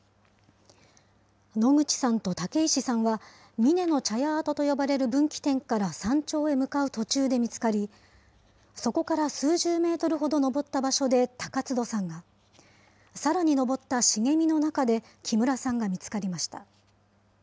野口さんと竹石さんは、峰の茶屋跡と呼ばれる分岐点から山頂へ向かう途中で見つかり、そこから数十メートルほど登った場所で、高津戸さんが、さらに登った茂みの中で木村さんが見つかりました。